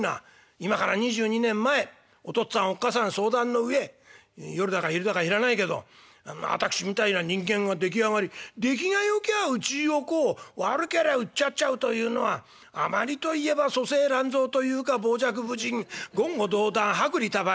今から２２年前お父っつぁんおっ母さん相談の上夜だか昼だか知らないけど私みたいな人間が出来上がり出来がよきゃあうちに置こう悪けりゃうっちゃっちゃうというのはあまりと言えば粗製乱造というか傍若無人言語道断薄利多売」。